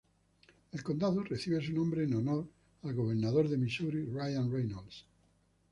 El condado recibe su nombre en honor al Gobernador de Misuri Ryan Reynolds.